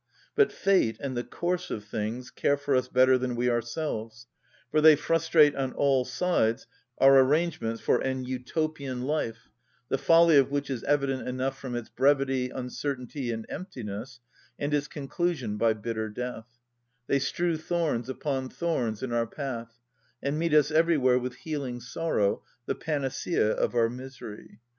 But fate and the course of things care for us better than we ourselves, for they frustrate on all sides our arrangements for an utopian life, the folly of which is evident enough from its brevity, uncertainty, and emptiness, and its conclusion by bitter death; they strew thorns upon thorns in our path, and meet us everywhere with healing sorrow, the panacea of our misery.